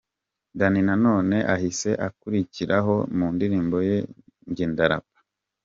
Danny Nanone ahise akurikiraho mu ndirimbo ’Njye Ndarapa’.